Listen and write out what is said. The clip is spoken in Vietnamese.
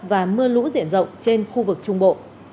và mưa lũ diện rộng trên khu vực trung bộ